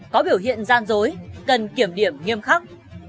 có biểu hiện gian dối cần kiểm điểm nghiêm khắc